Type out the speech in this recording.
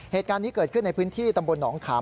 เหตุการณ์นี้เกิดขึ้นในพื้นที่ตำบลหนองขาม